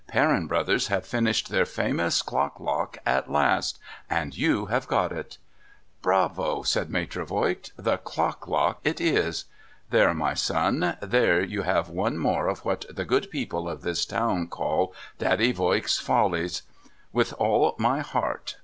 Perrin Brothers have finished their famous clock lock at last — and you have got it ?'' Bravo !' said Maitre Voigt. ' The clock lock it is ! There, my son ! There you have one more of what the good people of this town call, " Daddy Voigt's follies." With all my heart